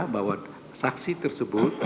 bahwa saksi tersebut